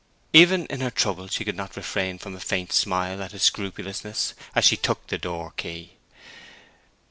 Even in her trouble she could not refrain from a faint smile at his scrupulousness, as she took the door key.